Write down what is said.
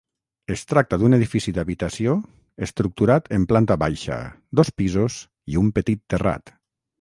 Es tracta d'un edifici d'habitació estructurat en planta baixa, dos pisos i un petit terrat.